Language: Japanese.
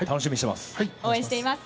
応援しています。